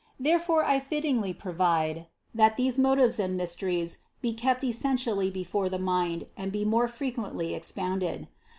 Therefore I fittingly provide, that these motives and mysteries be kept especially before the mind and be more frequently expounded.